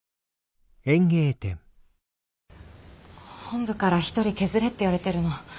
本部から１人削れって言われてるの。